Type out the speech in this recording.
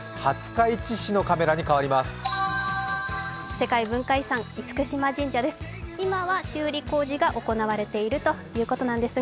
廿日市市のカメラにかわります。